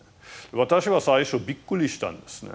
私は最初びっくりしたんですね。